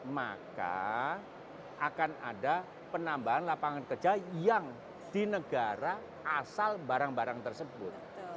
maka akan ada penambahan lapangan kerja yang di negara asal barang barang tersebut